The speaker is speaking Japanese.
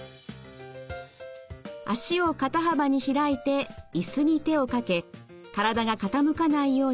脚を肩幅に開いて椅子に手をかけ体が傾かないように脚を広げます。